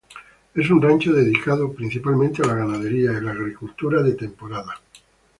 Es un rancho dedicado principalmente a la ganadería y la agricultura de temporal.